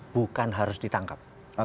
bukan harus ditangkap